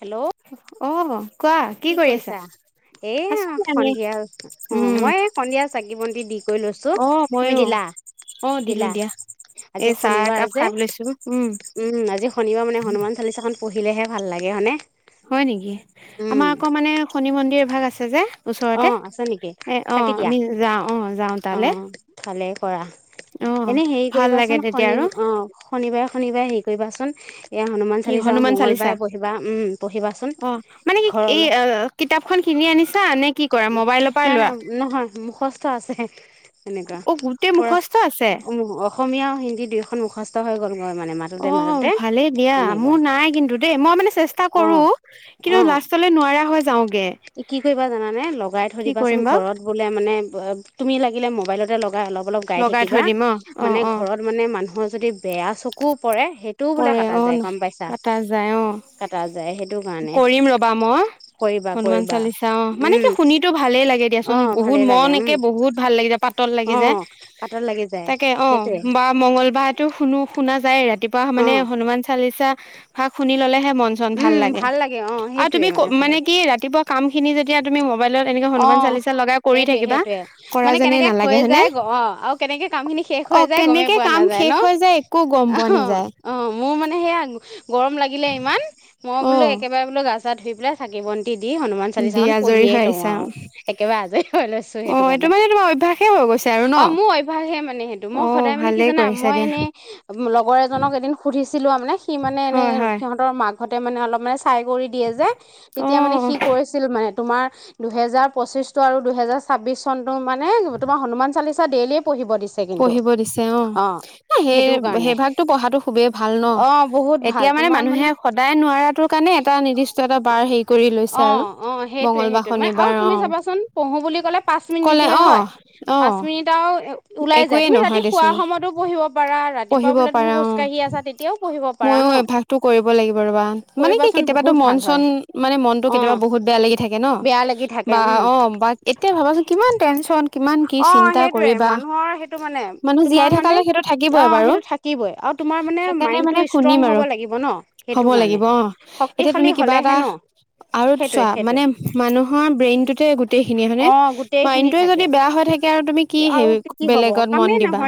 Hello! অ', কোৱা! কি কৰি আছা? এ, সন্ধিয়া অ', মই এই সন্ধিয়া চাকি-বন্তি দি কৰি লৈছো। তুমি দিলা? অ', দিলো দিয়া। আজি শনিবাৰ যে, উম, আজি শনিবাৰ মানে হনুমান চালিচাখন পঢ়িলেহে ভাল লাগে, হয়নে। হয় নেকি! আমাৰ আকৌ মানে শনি মন্দিৰ এভাগ আছে যে। অ', আছে নেকি! চাকি দিয়া, অ, ভালেই কৰা। এনে হেৰি কৰিবাচোন! শন অ', শনিবাৰে-শনিবাৰে হেৰি কৰিবাচোন! এয়া হনুমান চালিচা মঙ্লবাৰে পঢ়িবা, উম, পঢ়িবাচোন। ঘৰলৈ কিতাপ খন কিনি আনিছা নে কি! নাই, নাই, নহয়। মুখস্থ আছে এনেকুৱা পুৰা। অসমীয়া আৰু হিন্দী দুয়োখন মুখস্থ হৈ গ'ল। অ', ভালেই দিয়া মোৰ নাই কিন্তু দেই! মই মানে চেষ্টা কৰো, কিন্তু লাষ্ট নোৱাৰা হৈ যাওঁ। কি কৰিবা জানানে! লগাই থৈ দিবাচোন ঘৰত। বোলে মানে, তুমি লাগিলে মোবাইলতে লগা অলপ-অলপ গাই থাকিবা, মানে ঘৰত মানে মানুহৰ যদি বেয়া চকুও পৰে, সেই টোও বোলে কটা যায় গম পাইছা! কটা যায় সেইটো কাৰণে। কৰিবা। হনুমান চালিচা, অ, মানে কি শুনিতো ভালেই লাগে দিয়াচোন। বহুত মন একে বহুত ভাল লাগি যায়। পা তল লাগি যায়। তাকে অ'। মংগলবাৰতটো শুনো, শুনা যায়েই, ৰাতিপুৱা মানে হনুমান চালিচা ভাগ শুনি ল'লেহে মন চন ভাল লাগে। আৰু তুমি মানে কি ৰাতিপুৱা কাম খিনি যেতিয়া তুমি মোবাইলত এনে হনুমান চালিচা লগা কৰি থাকিবা, কৰা যেনে নালাগে হয়নে! অ', কেনেকে কাম শেষ হৈ যায়, একো গম পোৱা নাযায়। অ', মোৰ মানে সেয়া গৰম লাগিলে ইমান, মই বোলো একেবাৰে বোলো গা-চা ধুই পেলাই, চাকি-বন্তি দি, হনুমান চালিচাখন পঢ়িয়ে লওঁ আৰু। একেবাৰে আজৰি হৈ লৈছো, সেইটো কাৰণে। অ', মোৰ অভ্যসহে মানে সেইটো। মই সদায় মানে কি জানা, মই এনে লগৰ এজনক এদিন সুধিছিলো আৰু মানে, সি মানে এনে সিহঁত মাকহতে মানে অলপ চাই কৰি দিয়ে যে তেতিয়া মানে সি কৈছিল মানে তোমৰ দুহেজাৰ পঁচিছটো আৰু দুহেজাৰ ছাব্বিছ চনটো মানে তোমাৰ হনুমান চালিচা ডেইলিয়ে পঢ়িব দিছ পঢ়িব দিছে অ সেই সেই ভাগতো পঢ়াটো খুবেই ভাল ন। এতিয়া মানে মানুহে সদায় নোৱাৰাটো কাৰণে এটা নিৰ্দিষ্ট এটা বাৰ হেৰি কৰি লৈছে আৰু অ', সেইটোয়ে সেইটোয়ে মানে আৰু তুমি চাবাচোন পঢ়ো বুলি ক'লে পাঁচ মিনিটহে হয় পাঁচ মিনিট আও ওলাই যায় তুমি ৰাতি শুৱা সময়তো পঢ়িব পাৰা পঢ়িব পাৰা অ ময়ো অভ্যাসটো কৰিব লাগিব ৰবা। মানে কি কেতিয়াবাতো মন চন মানে মনটো কেতিয়াবা বহুত বেয়া লাগি থাকে ন। বা অ বা এতিয়া ভাবাচোন কিমান টেনচন কিমান কি চিন্তা কৰিবা মানুহ জীয়াই থকালে সেইটো থাকি বই বাৰু সেইকাৰণে মানে শুনিম আৰু হ'ব লাগিব অ'। এতিয়া তুমি কিবা এটা আৰু চোৱা মানে মানুহৰ ব্ৰেইনটোতে গো টেইখিনি হয়নে মাইণ্ডটোয়ে যদি বেয়া হৈ থাকে আৰু তুমি কি হে বেলেগত মন দিবা।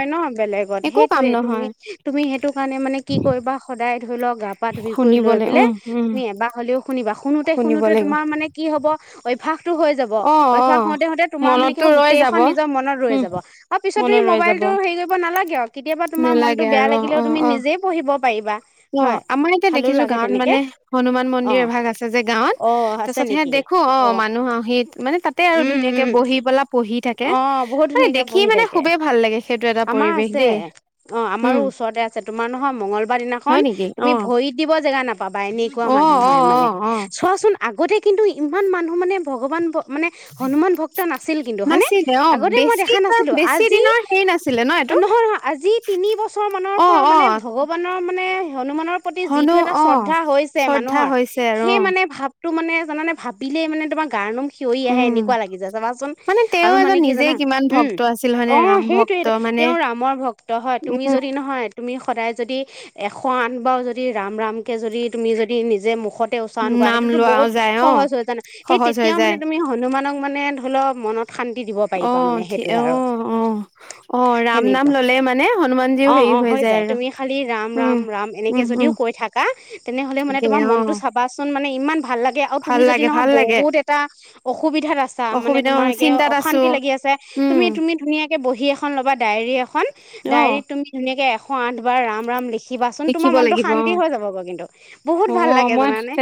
একো কাম নহয়। তুমি সেইটো কাৰণে মানে কি কৰিবা সদায় ধৰি লওক গা পা ধুই কৰি লৈ পেলাই তুমি এবাৰ হ'লেও শুনিবা শুনোতে শুনোতে তোমাৰ মানে কি হব অভ্যাসটো হৈ যাব অভ্যাস হওঁতে হওঁতে তোমাৰ মানে কি হব গোটেইখন নিজৰ মনত ৰৈ যাব আৰু পিছত তুমি মোবাইলটো হেৰি কৰিব নালাগে আউ কেতিয়াবা তোমাৰ মনটো বেয়া লাগিলেও তুমি নিজেই পঢ়িব পাৰিবা অ আমাৰ এয়াতে দেখিছোঁ গাঁৱত মানে হনুমান মন্দিৰ এভাগ আছে যে গাঁৱত তাছত সেয়াত দেখোঁ অ মানুহ আহহিত মানে তাত তাতে আৰু ধুনীয়াকে বহি পেলাই পঢ়ি থাকে মানে দেখি মানে খুবেই ভাল লাগে সেইটো এটা পৰিৱেশ দেই অ আমাৰো ওচৰতে আছে তোমাৰ নহয় মঙ্গলবাৰ দিনাখন তুমি ভৰি দিব জেগা নাপ পাবা এনেকুৱা মানুহ হয় মানে চোৱাচোন আগতে কিন্তু ইমান মানুহ মানে ভগৱান মানে হনুমান ভক্ত নাছিল কিন্তু হয়নে, আগতে মই দেখা নাছিলোঁ আজি নহয় নহয় আজি তিনি বছৰমানৰ পৰা মানে ভগৱানৰ মানে হনুমানৰ প্ৰতি যিটো এটা শ্ৰদ্ধা হৈছে মানুহৰ সেই মানে ভাৱ তো মানে জানানে ভাবিলে মানে তোমাৰ গাৰ নোম হিয়ৰি আহে এনে কোৱা লাগি যায় চাবাচোন আৰু মানে কি জানা উম অ সেইটোয়ে তেওঁ ৰামৰ ভক ক্ত হয় তুমি যদি নহয় তুমি সদায় যদি এশ আঠ বাৰ যদি ৰাম ৰামকে যদি তুমি যদি নিজে মুখত উচ্চাৰণ কৰা সেইটোতো বহুত সহজ হয় জানা সেই তেতিয়াও‍ঁ মানে তুমি হনুমানক মানে ধৰি ল মনত শান্তি দিব অ থি অ অ অ ৰাম নাম ললে মানে হনুমানজিও হেৰি হৈ য এনেকে যাই তুমি খালি ৰাম ৰাম ৰাম এনেকে যদিও কৈ থাক কা তেনেহলে মানে তোমাৰ মনটো চাবাচোন মানে ইমান ভাল লাগে আৰু তুমি যদি নহয় বহুত এটা অসুবিধাত আছা মানে তোমাৰ একে অশান্তি লাগি আছে তুমি তুমি তুমি ধুনীয়াকে বহি এখন ল'বা ডায়েৰী এখন ডায়েৰীত তুমি ধুনীয়াকে এশ আঠ বাৰ ৰাম ৰাম লিখি খিবাচোন তোমাৰ মনটো শান্তি হৈ যাব গৈ কিন্তু বহুত ভাল লাগে জানানে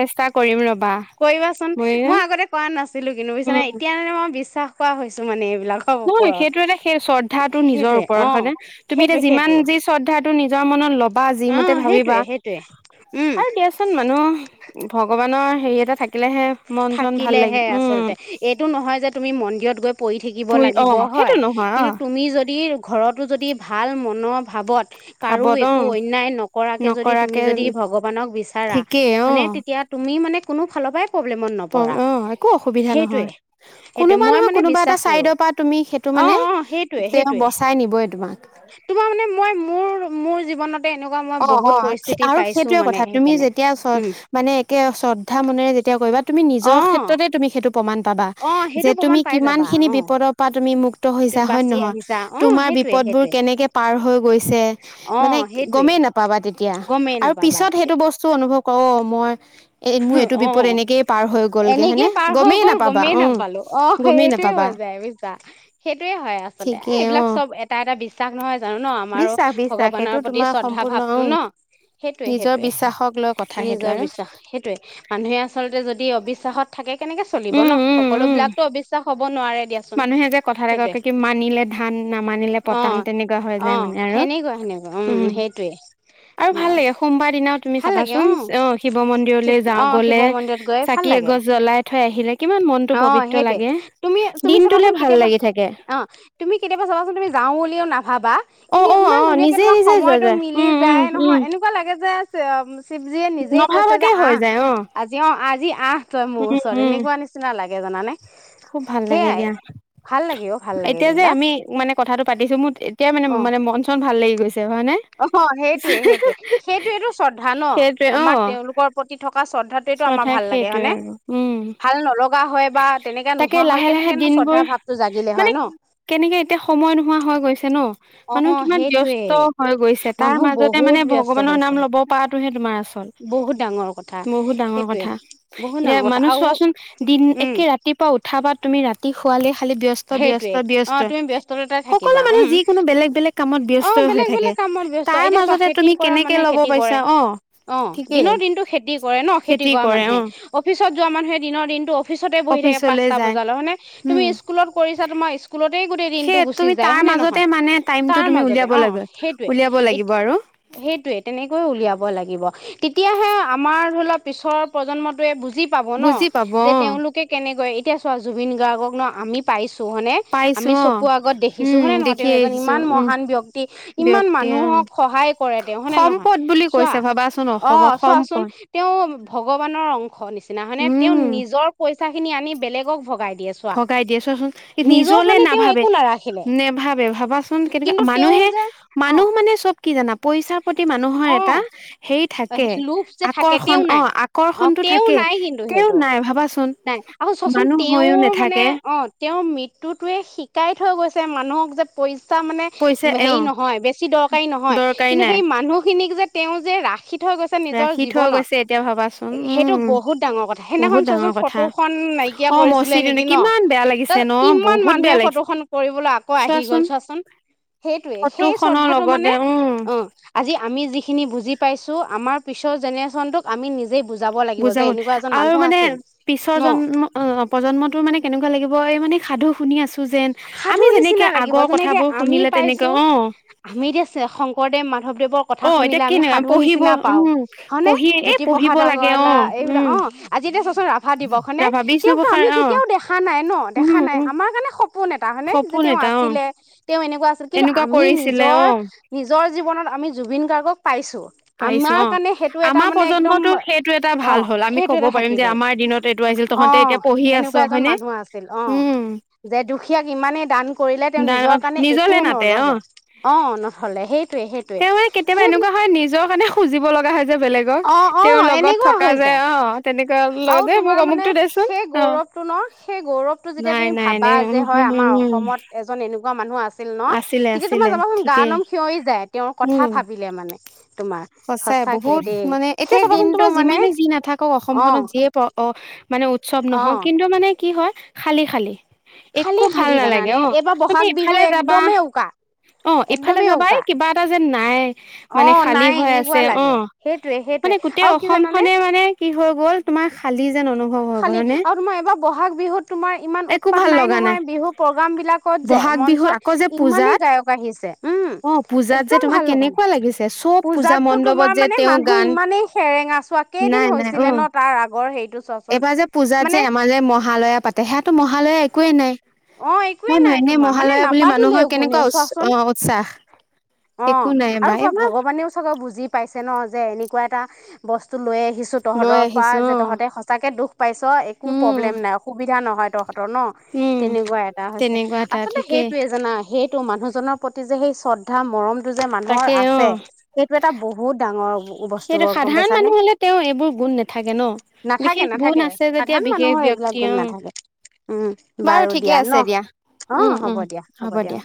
কৰিবাচোন মই আগতে কৰা নাছিলোঁ কিন্তু‌ বুইছানে এতিয়া মানে মই বিশ্বাস কৰা হৈছোঁ মানে এইবিলাক নহয় সেইটো এটা সেই শ্ৰদ্ধাটো নিজৰ ওপৰত হয়নে তুমি এতিয়া যিমান যি শ্ৰদ্ধাটো নিজৰ মনত ল'ব বা যি মতে ভাবিবা আৰু দিয়াচোন মানুহ ভগৱানৰ হেৰি এটা থাক কিলেহে মন চন ভাল লাগি, উম এইটো নহয় যে তুমি মন্দিৰত গৈ পৰি থাকিব লাগিব হয় কিন্তু তুমি যদি ঘৰতো যদি ভাল মনৰ ভাৱত কাৰো একো অন্যায় নকৰাকে যদি তুমি যদি ভগৱানক বিচাৰা। মানে তেতিয়া তুমি মানে কোনো ফালৰ পৰাই। অ একো অসুবিধা নহয় কোনোবা নহয় কোনোবা এটা চাইডৰ পৰা তুমি। সেইটো মানে তেওঁ বচাই নিবই তোমাক। তোমাৰ মানে মই মোৰ মোৰ জীৱনত। এনেকুৱা মই বহুত পৰিস্থিতি পাইছোঁ মানে সেইকাৰণে উম। মানে একে শ্ৰদ্ধা মনেৰে যেতিয়া কৰিবা তুমি নিজৰ ক্ষেত্ৰতে তুমি সেইটো। প্ৰমাণ পাবা যে তুমি কিমান খিনি বিপদত। পৰা তুমি মুক্ত হৈছা হয় নে নহয় তোমাৰ বিপদ বোৰ কেনেকে পাৰ হৈ গৈছে। চে মানে গমেই নাপাবা তেতিয়া আৰু পিছত সেইটো বস্তু। চ অনুভৱ কৰো অ মই। এই মোৰ এইটো বিপদ এনেকেইয়ে পাৰ হৈ গ'ল গে হয়নে গমেই নাপাবা অ গমেই নাপাবা। সেইটোয়ে হয় আচলতে এইবিলাক চব এটা এটা বিশ্বাস নহয় জানো ন আমাৰো ভগৱানৰ প্ৰতি চৰ্দা। ভাৱটো ন সেইটোয়ে সেইটোয়ে নিজৰ বিশ্বাস সেইটোয়ে। মানুহে আচলতে যদি অবিশ্বাসৰত। থাকে কেনেকে চলিব ন সকলোবিলাকতো অবিশ্বাস হ'ব নোৱাৰে দিয়াচোন সেইটোৱে। অ অ সেনেকুৱা সেনেকুৱা উম সেইটোয়ে। আৰু ভাল লাগে সোমবাৰ দিনা তুমি চাবাচোন অ। শিৱ মন্দিৰলৈ যাওঁ গলে চাকি এগছ জ্বলাই থৈ আহিলে। কিমান মনতটো পবিত্ৰ লাগে দিনটোলে ভাল লাগি থাকে। তুমি কেতিয়াবা চাবাচোন তুমি যাওঁ বুলিও নাভাবা। কিন্তু ইমান ধুনীয়াকে তোমাক সময়টো মিলি যায় নহয় এনেকুৱা লাগে যে চে অ। শিৱজীয়ে নিজেই কৈছে যে আহ। আজি অ আজি আহ তই মোৰ ওচৰত এনেকুৱা নিচিনা লাগে জানানে। খুব ভাল লাগে এতিয়া এতিয়া যে আমি। মানে কথাটো পাতিছো মোৰ এতিয়াই মানে মানে মন চন ভাল লাগি গৈছে হয়নে। অহ সেইটোৱে সেইটোৱে। সেইটোয়েটো শ্ৰদ্ধা ন আমাৰ তেওঁলোকৰ প্ৰতি থকা শ্ৰদ্ধাটোয়েটো আমাৰ ভাল লাগে হয়নে। ভাল নলগা হয় বা তেনেকে নোহোৱা হয় কেনেকে শ্ৰদ্ধা ভাৱটো জাগিলে হয় ন। কেনেকে এতিয়া সময় নোহোৱা হৈ গৈছে ন। মানুহ কিমান ব্যস্ত হৈ গৈছে তাৰ মাজতে মানে ভগৱানৰ নাম ল'ব পাৰাটোহে তোমাৰ আচল। বহুত ডাঙৰ কথা এতিয়া মানুহ চোৱাচোন দিন একে। ৰাতিপুৱা উঠাৰ পৰা তুমি ৰাতি শুৱালে খালি ব্যস্ত। ত' ব্যস্ত ব্যস্ত সকলো মানুহ যিকোনো বেলেগ বেলেগ কামত ব্যস্ত হৈ থাকে। তাৰ মাজতে তুমি কেনেকে ল'ব পাইছা অ। অঁ দিনৰ দিনটো খেতি কৰে ন খেতি কৰা মানুহে। অফিচত যোৱা মানুহে দিনৰ দিনটো অফিচতে বহি থাকে পাঁচটা বজালে মানে তুমি। স্কুলত কৰিছা তোমাৰ স্কুলতেই গোটেই দিনতটো গুচি যায় হয়নে নহয় তাৰ মাজতে অ। উলিয়াব লাগিব আৰু। সেইটোয়ে তেনেকৈয়ে উলিয়াব লাগিব তেতিয়াহে আমাৰ ধৰি লোৱা পিছৰ প্ৰজন্মটোয়ে বুজি। পাব ন যে তেওঁলোকে কেনেকৈ এতিয়া চোৱা জুবিন গাৰ্গক ন আমি পাইছো হয়নে? আমি চকু আগত দেখিছো হয়নে নহয় তেওঁ এজন ইমান মহান ব্যক্তি ইমান মানুহক। সহায় কৰে তেওঁ হয়নে নহয় চোৱা অ চোৱাচোন তেওঁ ভগৱানৰ অংশ। ঘৰ নিচিনা হয়নে তেওঁ নিজৰ পইচা খিনি আনি বেলেগক ভগাই দি আছে। ভগাই দিয়ে চোৱাচোন নিজলে নাভাবে নেভাবে ভাব। কেনেকে মানুহে মানুহ মানে চব কি জানা পইচাৰ প্ৰতি মানুহৰ এটা হেৰি থাকে আকৰ্ষণ অ আকৰ্ষণটো থাকে তেওঁৰ নাই ভাবাচোন মানুহ হৈও নেথাকে তেওঁৰ মৃত্যুটোৱে শিকাই থৈ গৈছে মানুহক যে পইচা মানে হেৰি নহয় বেছি দৰকাৰী নহয় কিন্তু সেই মানুহখিনিক যে তেওঁ যে ৰাখি থৈ গৈছ ছে নিজৰ জীৱনত সেইটো বহুত ডাঙৰ কথা সেইদিনাখন চোৱাচোন ফটো খন নাইকিয়া কৰিছিলে নেকি ন তাৰ কিমান মানুহে ফটো খন কৰিবলে আকৌ আহি গ'ল চোৱাচোন সেইটোয়েই সেই শ্ৰদ্ধাটো মানে অ আজি আমি যিখিনি বুজি পাইছো আমাৰ পিছৰ জেনেৰেশ্যনটোক আমি নিজে বুজি বুজাবলে আৰু মানে পিছৰ জন্ম অ প্ৰজন্মটো মানে কেনেকুৱা লাগিব এই মানে সাধু শুনি আছো। যেন আমি যেনেকে আগৰ কথাবোৰ শুনিলে তেনেকে অ আমি এতিয়া আছে শংকৰদেৱ মাধৱদেৱক কথা শুনিলে আমি সাধুৰ নিচিনা পাও হয়নে জ্যোতিপ্ৰসাদ আগৰৱালা এইবিলাক অ আজি এতিয়া চোৱাচোন ৰাভা দিৱস হয়নে তেওঁকতো আমি কেতিয়াও দেখা নাই ন দেখা নাই আমাৰ কাৰণে সপোন এটা হয়নে যে তেওঁ আছিলে তেওঁ এনেকুৱা আছিল কিন্তু আমি নিজৰ নিজৰ জীৱনত আমি জুবিন গাৰ্গক পাইছোঁ আমাৰ কাৰণে সেইটো এটা মানে একদম অ সেইটো এটা থাকি গ'ল। অ এনেকুৱা এজন মানুহ আছিল অ যে দুখী দুখীয়াক ইমানেই দান কৰিলে তেওঁ নিজৰ কাৰণে একো নললে অ নথলে সেইটোয়েই সেই তেওঁ মানে কেতিয়াবা এনেকুৱা হয় নিজৰ কাৰণে খুজিব লগা হয় যে বেলেগ তেওঁৰ লগত থকা যে অ তেনেকুৱা লগত যে মোক অমুক টো দেচোন অ টো ন সেই গৌৰৱটো যেতিয়া তুমি ভাবা যে হয় আমাৰ অসমত এজন এনেকুৱা মানুহ আছ আছিল ন তেতিয়া তোমাৰ চাবাচোন গাৰ নোম শিয়ৰি যায় তেওঁৰ কথা ভাবিলে মানে তোমাৰ সচাঁকে মানে এতিয়া চাবাচোন তোমাৰ যিমানে যি নাথাকক অসমখনত যিয়ে অ মানে উৎসৱ নহও কিন্তু মানে কি হয় খালি খালী একো ভাল নালাগে অ তুমি ইফালে যাবা অ ইফালে যাবা কিবা এটা যেন নাই মানে খালী হৈ আছে অ মানে গোটেই অসম খনে মানে কি হৈ গ'ল খালি যে অনুভৱ খালী আৰু তোমাৰ এইবাৰ ব'হাগ বিহুত তোমাৰ ইমান উৎপাত নাই নহয় বিহু প্ৰগ্ৰামবিলাক কত যে মঞ্চত ইমানেই গায়ক আহিছে উম একদম ভাল লগা নাই পূজাতটো তোমাৰ মানে মান ইমানেই সেৰেঙা চোৱা কেইদিন হৈছিলে ন তাৰ আগ এইবাৰ যে পূজাত যে আমাৰ যে মহালয়া পাতে সেইয়াতো মহালয়া একোয়ে নাই নহয় নহয় এনেই মহালয়া মানুহৰ কেনেকুৱা উ উৎসাহ একো নাই এইবা এইবা ভগৱানেও চবে বুজি পাইছে ন যে এনেকুৱা এটা বস্তু লৈ আহিছোঁ তহঁতৰ পৰা যে তহঁতে সচাকে দুখ পাইছ একো প্ৰব্লেম নাই অসুবিধা নহয় তহতৰ ন তেনেকুৱা এটা হৈছে আচলতে সেইটোয়ে জানা সেইটো মানুহজনৰ প্ৰতি যে সেই শ্ৰদ্ধা মৰম সেইটো যে মানুহৰ আছে সেইটো এটা বহুত ডাঙৰ বস্তু গম পাইছা নহলে তেওঁ এইবোৰ গুণ নাথাকে ন নাথাকে নাথাকে সাধাৰণ মানুহৰ এইবিলাক গুণ নাথাকে উম বাৰু দিয়া ন অ', হ'ব দিয়া, হ'ব দিয়া।